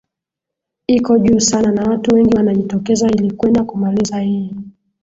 iko juu sana na watu wengi wanajitokeza ilikwenda kumaliza hii